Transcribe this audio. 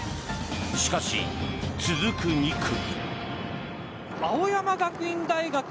しかし、続く２区。